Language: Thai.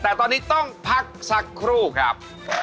แต่ตอนนี้ต้องพักสักครู่ครับ